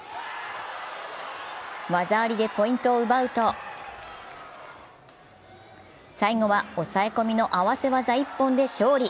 技ありでポイントを奪うと最後は抑え込みの合わせ技一本で勝利。